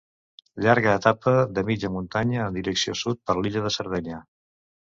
Llarga etapa de mitja muntanya en direcció sud per l'illa de Sardenya.